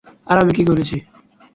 আরে আমি কী করেছি।